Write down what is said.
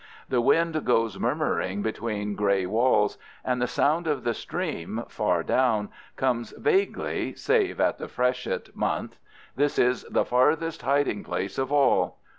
The wind goes murmuring between gray walls, and the sound of the stream, far down, comes vaguely save in the freshet month. This is the farthest hiding place of all.